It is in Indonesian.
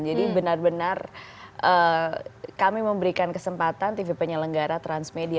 jadi benar benar kami memberikan kesempatan tvpnya lenggara transmedia